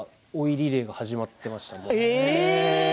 リレーが始まっていました。